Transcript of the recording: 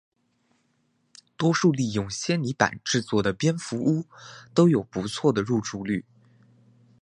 多数利用纤泥板制作的蝙蝠屋都有不错的入住率。